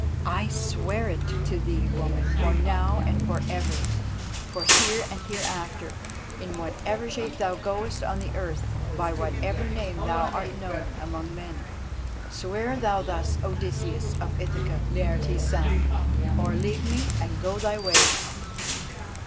I swear it to thee, Woman, for now and for ever, for here and hereafter, in whatever shape thou goest on the earth, by whatever name thou art known among men.' "Swear thou thus, Odysseus of Ithaca, Laertes' son, or leave me and go thy ways!"